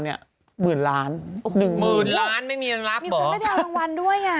โอ้โฮ๑๐๐๐๐๐๐๐ไม่มีรางร้ายรับเหรอมีคนไม่ได้รางวัลด้วย